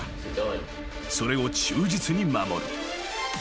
［それを忠実に守る］